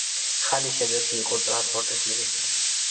ხანი შემდეგში იყო ტრანსპორტის მინისტრი.